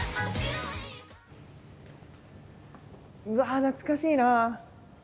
うわ懐かしいなあ。